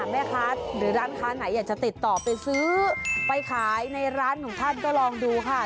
แม่ค้าหรือร้านค้าไหนอยากจะติดต่อไปซื้อไปขายในร้านของท่านก็ลองดูค่ะ